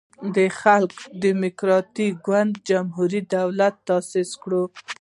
د خلق دیموکراتیک ګوند جمهوری دولت یی تاسیس کړو.